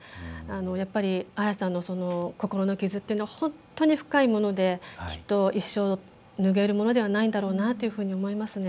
やっぱりアーヤさんの心の傷というのは本当に深いものできっと、一生拭えるものではないんだろうなと思いますね。